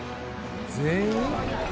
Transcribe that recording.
「全員？」